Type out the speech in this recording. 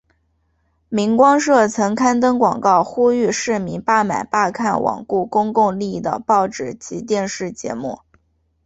明光社曾刊登广告呼吁市民罢买罢看罔顾公众利益的报纸及电视节目。